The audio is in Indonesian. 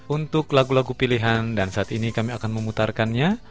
untuk lagu lagu pilihan dan saat ini kami akan memutarkannya